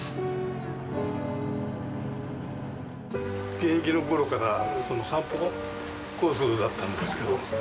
現役の頃から散歩コースだったんですけど。